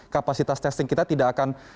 kapasitas testing kita tidak akan